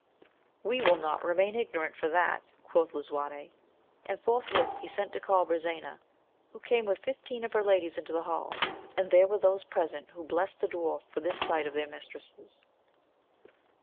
We will not remain ignorant for that, quoth Lisuarte, and forthwith he sent to call Brisena, who came with fifteen of her ladies into the hall, and there were those present who blest the dwarf for this sight of their mistresses.